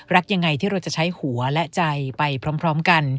รักยังไงที่เราจะใช้หัวและใจไปพร้อมกัน